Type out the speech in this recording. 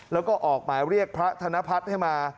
แล้วก็ออกหมายเรียกพระธนพัฒน์ให้มา